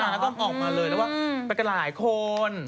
แล้วก็ออกมาเลยแล้วว่าไปกันหลายคน